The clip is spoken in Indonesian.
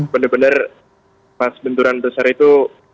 bener bener pas benturan besar itu